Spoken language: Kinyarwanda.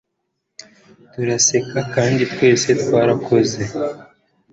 Turaseka kandi twese twarakoze